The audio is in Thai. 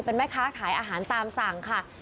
เป็นแม่ค้าขายอาหารตามสั่งค่ะ